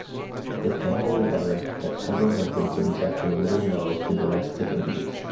The family learn that Trevor has been subjecting Little Mo to domestic abuse.